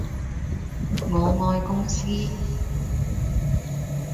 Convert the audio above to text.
我愛公司